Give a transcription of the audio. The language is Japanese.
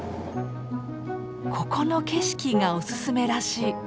ここの景色がおすすめらしい。